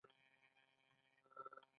په لومړیو کې بانکونه په دې ډول نه وو